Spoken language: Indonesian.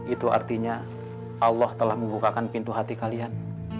itu artinya allah telah membukakan pintu hati kalian